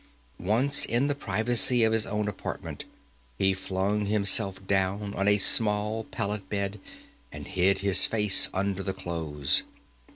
Once in the privacy of his own apartment, he flung himself down on a small pallet bed, and hid his face under the clothes.